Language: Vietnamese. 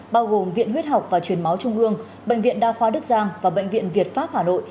bao gồm viện huyết học và truyền máu trung ương bệnh viện đa khoa đức giang và bệnh viện việt pháp hà nội